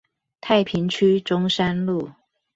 太平區中山路